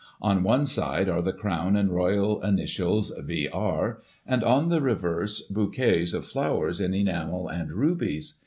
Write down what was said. On one side are the crown and Royal initials, V.R., and, on the reverse, bouquets of flowers in enamel and rubies.